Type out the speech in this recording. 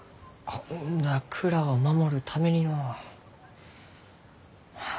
こんな蔵を守るためにのう。